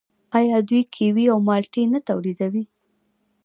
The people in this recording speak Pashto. آیا دوی کیوي او مالټې نه تولیدوي؟